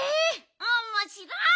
おもしろい！